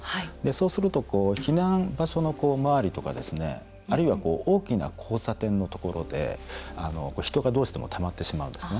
そうすると避難場所の周りとかあるいは大きな交差点のところで人が、どうしてもたまってしまうんですね。